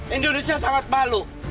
indonesia sangat malu